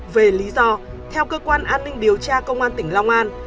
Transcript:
về lý do theo cơ quan an ninh điều tra công an tỉnh long an